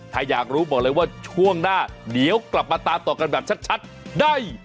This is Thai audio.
ถ้าอยากรู้บอกเลยว่าช่วงหน้าเดี๋ยวกลับมาตามต่อกันแบบชัดได้